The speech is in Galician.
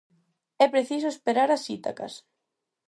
É preciso esperar as Ítacas!